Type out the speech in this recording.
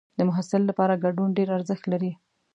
د محصل لپاره ګډون ډېر ارزښت لري.